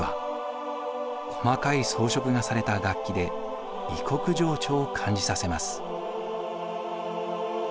細かい装飾がされた楽器で異国情緒を感じさせます。